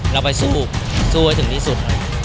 เราไปสู้สู้ให้ถึงที่สุด